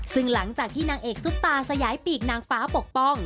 ซึ่งหลังจากที่นางเอกซุปตาสยายปีกนางฟ้าปกป้อง